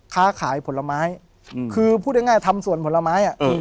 ค้าขายผลไม้อืมคือพูดง่ายง่ายทำส่วนผลไม้อ่ะเออเออ